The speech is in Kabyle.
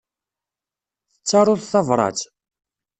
Tettaruḍ tabrat?